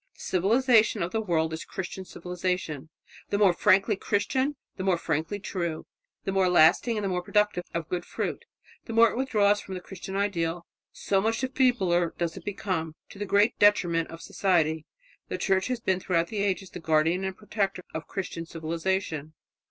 The civilization of the world is Christian civilization; the more frankly Christian, the more frankly true, the more lasting and the more productive of good fruit; the more it withdraws from the Christian ideal, so much the feebler does it become, to the great detriment of society. The Church has been throughout the ages the guardian and protector of Christian civilization.